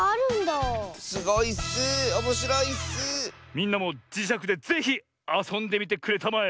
みんなもじしゃくでぜひあそんでみてくれたまえ。